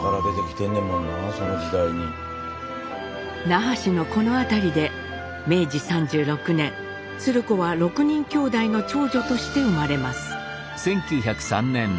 那覇市のこの辺りで明治３６年鶴子は６人きょうだいの長女として生まれます。